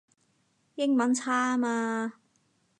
英文差吖嘛